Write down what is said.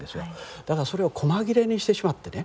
だがそれをこま切れにしてしまってね